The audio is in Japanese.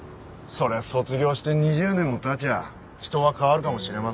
そりゃ卒業して２０年も経ちゃ人は変わるかもしれません。